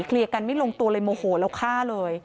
กันไม่ลงตัวเลยโมโหแล้วฆ่าเลย